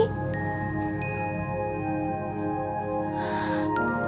dede juga udah mulai